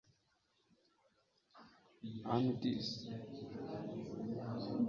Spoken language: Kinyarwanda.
amy dix